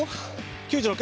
９６？